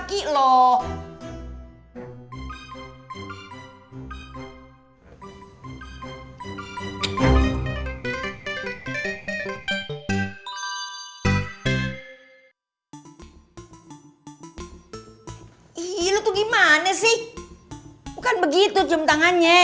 menurutmu cariasa akan gue obligasinya